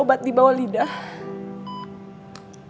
beri ibaur makan